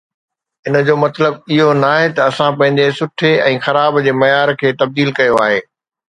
ان جو مطلب اهو ناهي ته اسان پنهنجي سٺي ۽ خراب جي معيار کي تبديل ڪيو آهي.